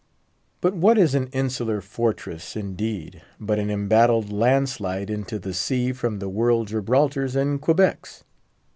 But what is an insular fortress, indeed, but an embattled land slide into the sea from the world Gibraltars and Quebecs?